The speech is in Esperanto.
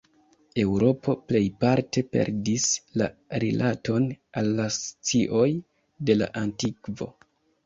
Eŭropo plejparte perdis la rilaton al la scioj de la antikvo.